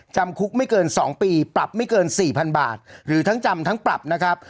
จำคุกไม่เกิน๒ปีปรับไม่เกิน๔๐๐๐บาทหรือทั้งจำทั้งปรับนะครับ